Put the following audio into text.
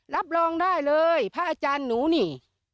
รับรองได้เลยพระอาจารย์หนูนี่